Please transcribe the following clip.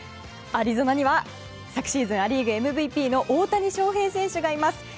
アリゾナには昨シーズンア・リーグＭＶＰの大谷翔平選手がいます。